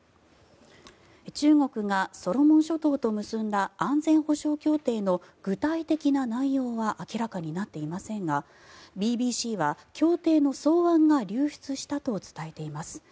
中国がソロモン諸島と結んだ安全保障協定の具体的な内容は明らかになっていませんがＢＢＣは協定の草案が流出したと伝えています。